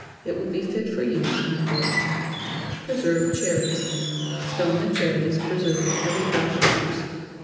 It will be fit for use in a fortnight. PRESERVED CHERRIES. ✠ Stone the cherries, preserving every drop of juice.